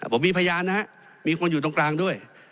ผมมีพยานนะครับมีคนอยู่ตรงกลางด้วย